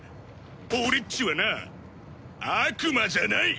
俺っちはな悪魔じゃない。